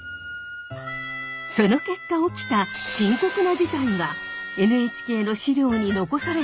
その結果起きた深刻な事態がＮＨＫの資料に残されていました。